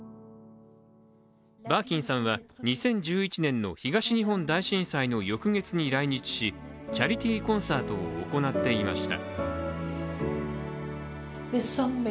バーキンさんは２０１１年の東日本大震災の翌月に来日しチャリティーコンサートを行っていました。